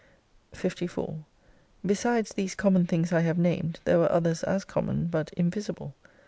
54 Besides these common things I have named, there were others as common, but invisible.